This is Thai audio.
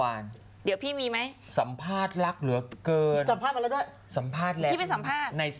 ดังนั้นมีตัวละครอื่นเพิ่มขึ้นมาอีกตอนนี้